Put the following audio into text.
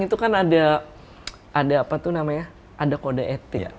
itu kan ada kode etik